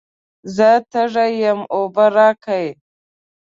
زه تږی یم، اوبه راکئ.